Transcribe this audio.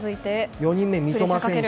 ４人目、三笘選手。